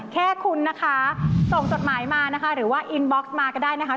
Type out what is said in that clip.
แค่คุณนะคะส่งจดหมายมานะคะหรือว่าอินบ็อกซ์มาก็ได้นะคะ